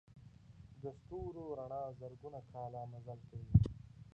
د ستورو رڼا زرګونه کاله مزل کوي.